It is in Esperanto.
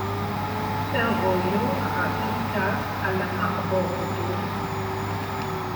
Fervojo trafikas al la marbordo.